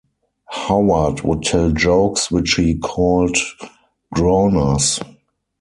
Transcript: Howard would tell jokes which he called Groaners.